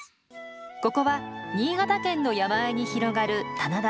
ここは新潟県の山あいに広がる棚田。